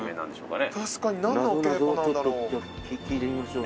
聞いてみましょう。